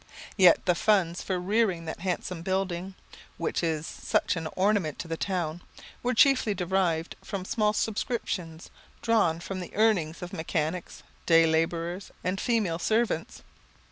Yet the funds for rearing that handsome building, which is such an ornament to the town, were chiefly derived from small subscriptions, drawn from the earnings of mechanics, day labourers, and female servants.